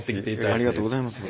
ありがとうございます。